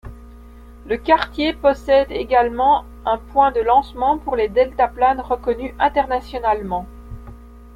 Le quartier possède également un point de lancement pour les deltaplanes reconnu internationalement.